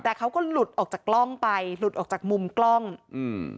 แต่เขาก็หลุดออกจากกล้องไปหลุดออกจากมุมกล้องอืม